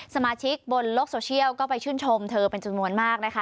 สมาชิกบนโลกโซเชียลก็ไปชื่นชมเธอเป็นจำนวนมากนะคะ